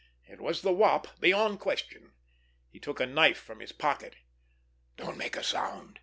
It was the Wop beyond question. He took a knife from his pocket. "Don't make a sound!"